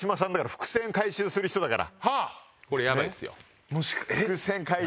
伏線回収するから。